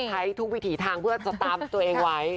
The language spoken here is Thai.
ใช้ทุกวิถีทางเพื่อจะตามตัวเองไว้